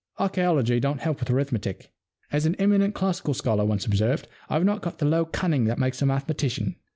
Archaeology don't help with arithmetic. As an eminent classical scholar once observed, I've not got the low cunning that makes a mathematician.